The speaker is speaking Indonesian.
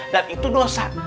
dan itu dosa